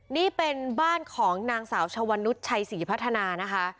นี่เป็นบ้านของนางสาวชวนุษชัยศรีพัฒนานะคะ